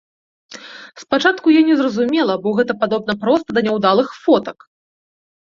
Спачатку я не зразумела, бо гэта падобна проста да няўдалых фотак!